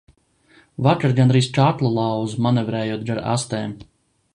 Vakar gandrīz kaklu lauzu, manevrējot gar astēm.